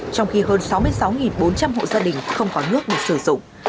trong khi hơn sáu mươi sáu bốn trăm linh hộ gia đình không có nước để sử dụng